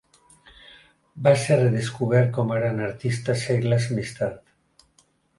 Va ser redescobert com a gran artista segles més tard.